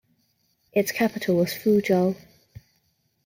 Its capital was Fuzhou.